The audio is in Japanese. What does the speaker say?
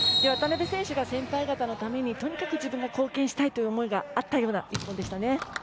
渡邉選手が先輩方のためにとにかく自分が貢献したいという思いがあったような１本でしたね。